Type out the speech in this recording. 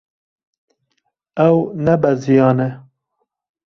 Ew nebeziyane.